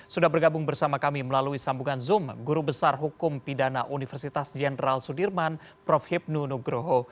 sudah bergabung bersama kami melalui sambungan zoom guru besar hukum pidana universitas jenderal sudirman prof hipnu nugroho